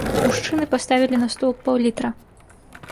Мужчыны паставілі на стол паўлітра.